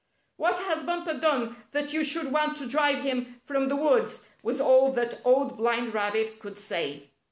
" What has Bumper done that you should want to drive him from the woods? " was all that Old Blind Rabbit could say.